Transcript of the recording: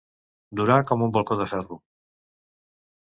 Durar com un balcó de ferro.